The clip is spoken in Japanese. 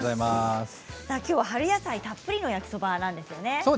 きょうは春野菜たっぷりの焼きそばなんですよね。